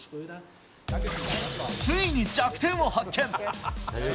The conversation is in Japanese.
ついに弱点を発見。